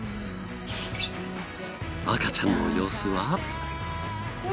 赤ちゃんの様子は。